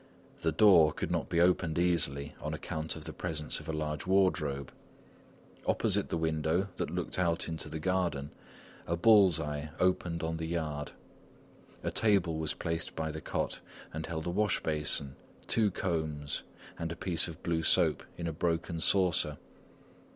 The door could not be opened easily on account of the presence of a large wardrobe. Opposite the window that looked out into the garden, a bull's eye opened on the yard; a table was placed by the cot and held a washbasin, two combs, and a piece of blue soap in a broken saucer.